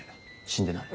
死んでない。